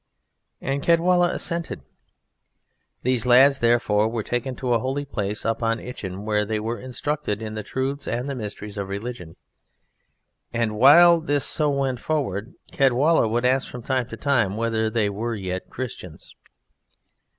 And Caedwalla assented. These lads, therefore, were taken to a holy place up on Itchen, where they were instructed in the truths and the mysteries of religion. And while this so went forward Caedwalla would ask from time to time whether they were yet Christians.